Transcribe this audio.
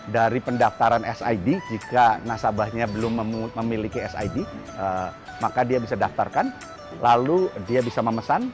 dari pendaftaran sid jika nasabahnya belum memiliki sid maka dia bisa daftarkan lalu dia bisa memesan